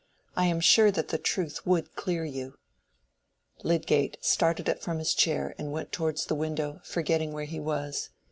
"I am sure that the truth would clear you." Lydgate started up from his chair and went towards the window, forgetting where he was.